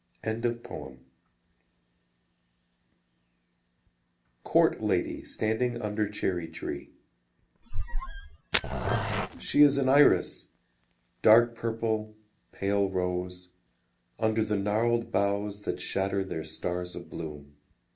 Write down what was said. Court Lady Standing Under Cherry Tree She is an iris, Dark purple, pale rose, Under the gnarled boughs That shatter their stars of bloom.